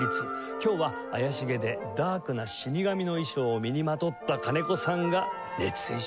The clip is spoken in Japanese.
今日は怪しげでダークな死神の衣装を身にまとった金子さんが熱演します。